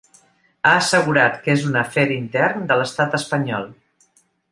Ha assegurat que és un afer intern de l’estat espanyol.